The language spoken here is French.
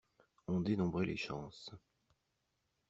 On dénombrait les chances.